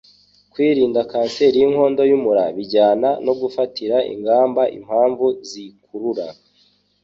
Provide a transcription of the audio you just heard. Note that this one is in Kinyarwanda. Kwirinda kanseri y'inkondo y'umura bijyana no gufatira ingamba impamvu ziyikurura